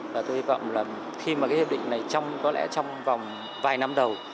và tôi hy vọng là khi mà cái hiệp định này có lẽ trong vòng vài năm đầu